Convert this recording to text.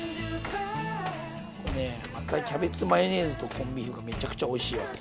こうねまたキャベツマヨネーズとコンビーフがめちゃくちゃおいしいわけ。